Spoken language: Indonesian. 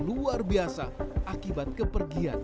luar biasa akibat kepergian